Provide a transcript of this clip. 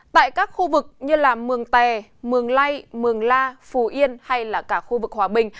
tại các khu vực như mường tè mường lây mường la phù yên hay là cả khu vực hòa bình